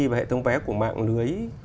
và hệ thống vé của mạng lưới